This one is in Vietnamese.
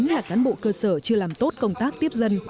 là cán bộ cơ sở chưa làm tốt công tác tiếp dân